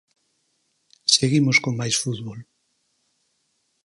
Seguimos con máis fútbol.